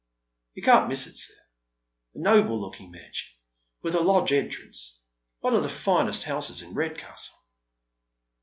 You can't miss it, sir. A noble looking mansion, with a lodge entrance. One of the finest houses in Redcastle."